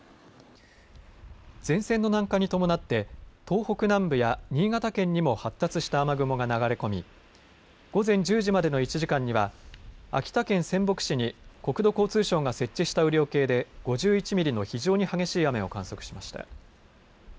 前線の南下に伴って東北南部や新潟県にも発達した雨雲が流れ込み午前１０時までの１時間には秋田県仙北市に国土交通省が設置した雨量計で５１ミリの非常に激しい雨を観測しました。